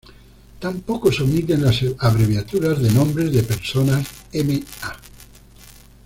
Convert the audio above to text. Tampoco se omite en las abreviaturas de nombres de persona: "M. Á.